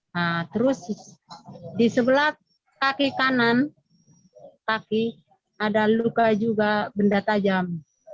nah terus di sebelah kaki kanan kaki ada luka juga benda tajam